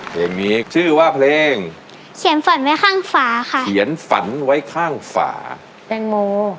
เพลงนี้ชื่อว่าเพลงเขียนฝันไว้ข้างฝาค่ะเขียนฝันไว้ข้างฝาแตงโม